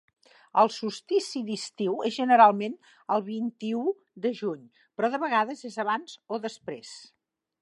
El solstici d'estiu és generalment el vint-i-ú de juny, però de vegades és abans o després.